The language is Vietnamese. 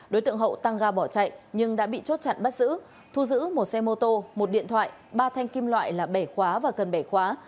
đối tượng hậu tăng ga bỏ chạy nhưng đã bị chốt chặn bắt giữ thu giữ một xe mô tô một điện thoại ba thanh kim loại là bẻ khóa và cần bẻ khóa